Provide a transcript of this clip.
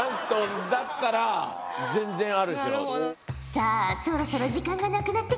さあそろそろ時間がなくなってきたぞ。